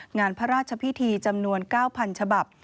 งานพระราชพิธีจำนวน๙๐๐ฉบับ